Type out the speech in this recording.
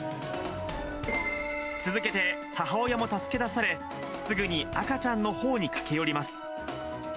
続けて母親も助け出され、すぐに赤ちゃんのほうに駆け寄ります。